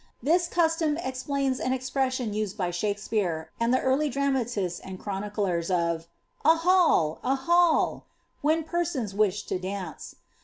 This custom explains an expression used by Shakspeare, and the early dramatists and chroniclers, of ^A hall! a hall!'' when persons wished to dance.